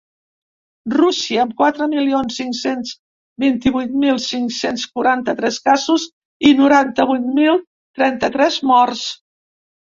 Rússia, amb quatre milions cinc-cents vint-i-vuit mil cinc-cents quaranta-tres casos i noranta-vuit mil trenta-tres morts.